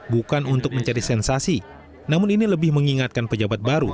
bukan untuk mencari sensasi namun ini lebih mengingatkan pejabat baru